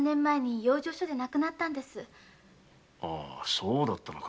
そうだったのか。